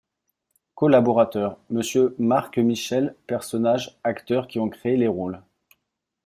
COLLABORATEUR : Monsieur MARC-MICHEL PERSONNAGES Acteurs qui ont créé les rôles.